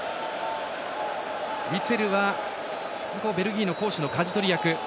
ウィツェルはベルギーの攻守のかじ取り役。